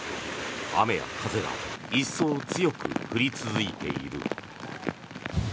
雨や風が一層強く降り続いている。